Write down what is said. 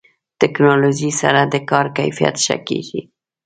ټکنالوژي سره د کار کیفیت ښه کېږي.